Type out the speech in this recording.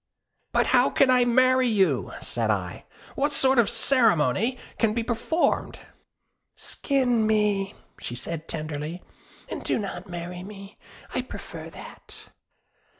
'But how can I marry you?' said I; 'what sort of ceremony can be performed?' 'Skin me,' said she tenderly, 'and do not marry me, I prefer that.'